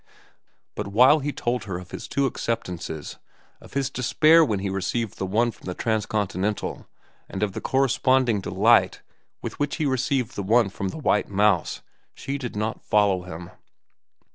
But while he told her of his two acceptances, of his despair when he received the one from the Transcontinental, and of the corresponding delight with which he received the one from the White Mouse, she did not follow him.